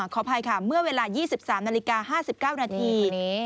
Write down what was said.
ขออภัยค่ะเมื่อเวลา๒๓นาฬิกา๕๙นาที